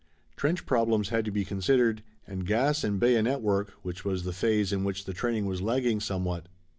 Trench problems had to be considered and gas and bayonet work which was the phase in which the training was lagging somewhat.